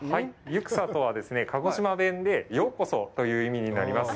「ユクサ」とは、鹿児島弁で「ようこそ」という意味になります。